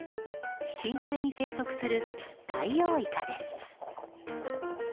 深海に生息するダイオウイカです。